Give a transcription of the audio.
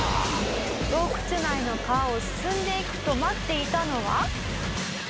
「洞窟内の川を進んでいくと待っていたのは」